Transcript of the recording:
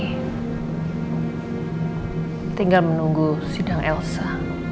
hai tinggal menunggu sidang elsa